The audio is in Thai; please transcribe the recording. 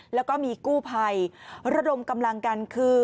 แล้วก็มีกู้ภัยระดมกำลังกันคือ